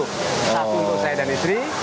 satu untuk saya dan istri